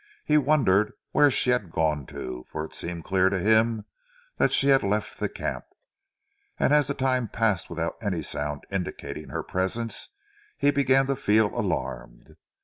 He wondered where she had gone to, for it seemed clear to him that she had left the camp, and as the time passed without any sound indicating her presence he began to feel alarmed.